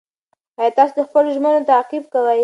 ایا تاسو د خپلو ژمنو تعقیب کوئ؟